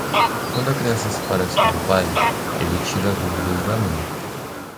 Quando a criança se parece com o pai, ele tira dúvidas da mãe.